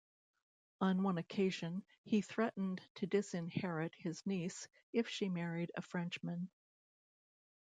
On one occasion, he threatened to disinherit his niece if she married a Frenchman.